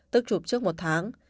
tức chụp trước một tháng